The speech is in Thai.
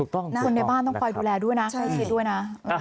คนในบ้านต้องปล่อยดูแลด้วยนะ